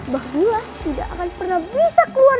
bahwa tidak akan pernah bisa keluar